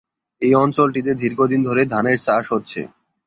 এই অঞ্চলটিতে দীর্ঘদিন ধরে ধানের চাষ হচ্ছে।